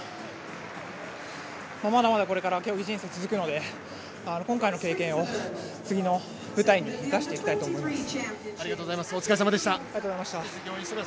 まだまだこれからも競技人生続くので、今回の経験を次の舞台に生かしていきたいと思います。